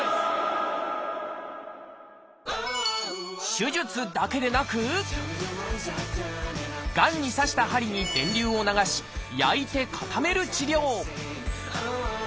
手術だけでなくがんに刺した針に電流を流し焼いて固める治療